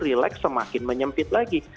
relax semakin menyempit lagi